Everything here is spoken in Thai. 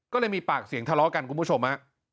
ก็เลยมีปากเสียงทะเลาะกันคุณผู้ชมฮะ